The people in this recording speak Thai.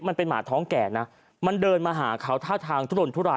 มันเป็นหมาท้องแก่นะมันเดินมาหาเขาท่าทางทุรนทุราย